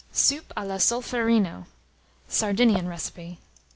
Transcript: SOUP A LA SOLFERINO (Sardinian Recipe).